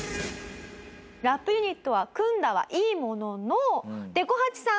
ラップユニットは組んだはいいもののでこ八さん